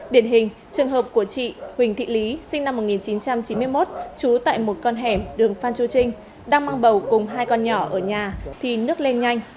điển hình trường hợp của chị huỳnh thị lý sinh năm một nghìn chín trăm chín mươi một trú tại một con hẻm đường phan chu trinh đang mang bầu cùng hai con nhỏ ở nhà thì nước lên nhanh